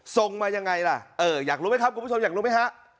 ส่งมายังไงล่ะอยากรู้ไหมครับคุณผู้ชมอยากรู้ไหมฮะ